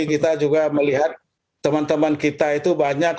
kita juga melihat teman teman kita itu banyak